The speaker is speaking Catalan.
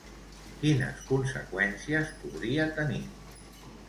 Quines conseqüències podria tenir?